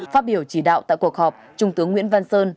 phát biểu chỉ đạo tại cuộc họp trung tướng nguyễn văn sơn